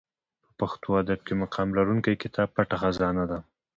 په پښتو ادب کښي مقام لرونکى کتاب پټه خزانه دئ.